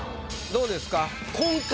どうですか？